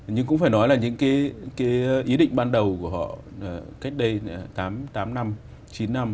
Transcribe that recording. nhưng cũng phải nói là những cái ý định ban đầu của họ cách đây tám năm chín năm